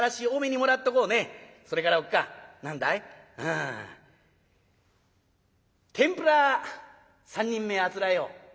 「うん天ぷら３人前あつらえよう。